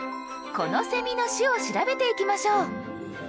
このセミの種を調べていきましょう。